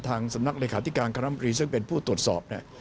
ทางสำนักลิขาธิการคณะมพลีซึ่งเป็นผู้ตรวจสอบ